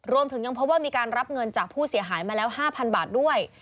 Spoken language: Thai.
รวมถึงยังพบว่ามีการรับเงินจากผู้เสียหายมาแล้ว๕๐๐บาทด้วย